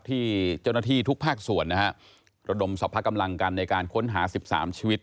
ที่เจ้าหน้าที่ทุกภาคส่วนนะฮะระดมสรรพกำลังกันในการค้นหา๑๓ชีวิต